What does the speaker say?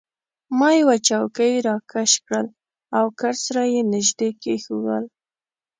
ما یوه چوکۍ راکش کړل او کټ سره يې نژدې کښېښوول.